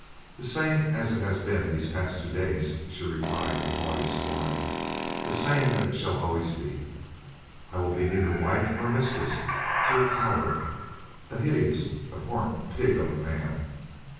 "The same as it has been these past two days," she replied with haughty scorn. "The same that it shall always be. I will be neither wife nor mistress to a coward; a hideous, abhorrent pig of a man.